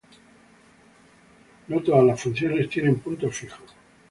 No todas las funciones tienen puntos fijos.